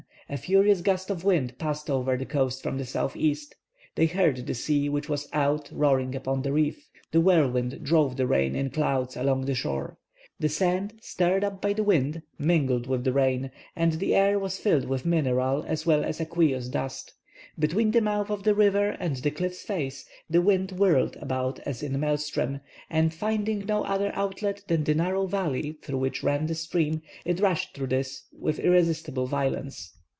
A furious gust of wind passed over the coast from the southeast. They heard the sea, which was out, roaring upon the reef. The whirlwind drove the rain in clouds along the shore. The sand, stirred up by the wind, mingled with the rain, and the air was filled with mineral as well as aqueous dust. Between the mouth of the river and the cliff's face, the wind whirled about as in a maelstrom, and, finding no other outlet than the narrow valley through which ran the stream, it rushed through this with irresistible violence.